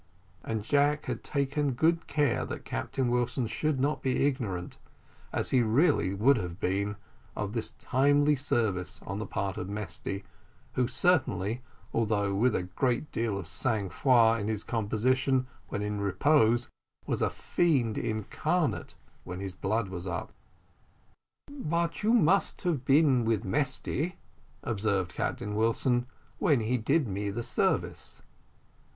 And Jack had taken good care that Captain Wilson should not be ignorant, as he really would have been, of this timely service on the part of Mesty, who certainly, although with a great deal of sang froid in his composition when in repose, was a fiend incarnate when his blood was up. "But you must have been with Mesty," observed Captain Wilson, "when he did me the service."